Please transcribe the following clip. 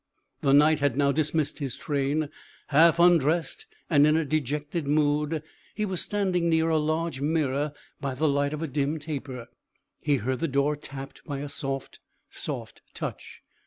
The Knight had now dismissed his train; half undressed, and in a dejected mood, he was standing near a large mirror, by the light of a dim taper. He heard the door tapped by a soft, soft touch.